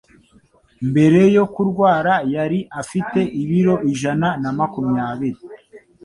mbere yo kurwara yari afite ibiro ijana na makumyabiri